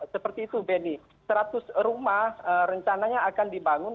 seperti itu benny seratus rumah rencananya akan dibangun